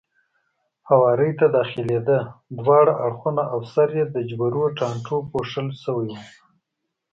هوارۍ ته داخلېده، دواړه اړخونه او سر یې د جورو ټانټو پوښل شوی و.